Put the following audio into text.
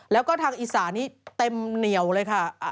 แล้วก็ทางอีสานี่เต็มเหนียวเลยค่ะ